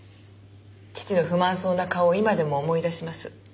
父の不満そうな顔を今でも思い出します。